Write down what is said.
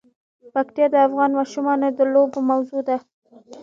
پکتیا د افغان ماشومانو د لوبو موضوع ده.